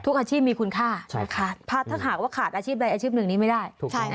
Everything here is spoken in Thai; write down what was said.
อาชีพมีคุณค่าถ้าหากว่าขาดอาชีพใดอาชีพหนึ่งนี้ไม่ได้